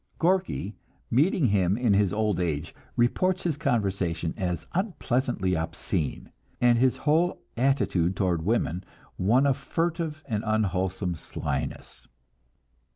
Gorky, meeting him in his old age, reports his conversation as unpleasantly obscene, and his whole attitude toward women one of furtive and unwholesome slyness.